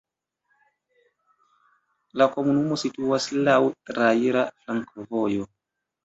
La komunumo situas laŭ traira flankovojo.